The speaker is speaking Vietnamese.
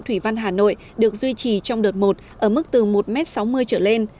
thủy văn hà nội được duy trì trong đợt một ở mức từ một m sáu mươi trở lên